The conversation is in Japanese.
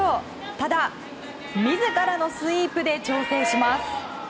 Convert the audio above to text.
ただ、自らのスイープで調整します。